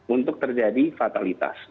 untuk terjadi fatalitas